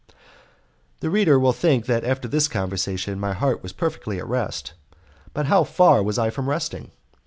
The reader will think that after this conversation my heart was perfectly at rest; but how far was I from resting!